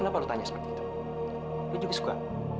lu juga suka